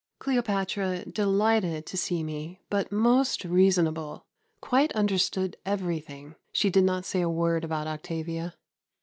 Cleopatra delighted to see me; but most reasonable. Quite understood everything. She did not say a word about Octavia.